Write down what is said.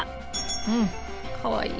うんかわいい！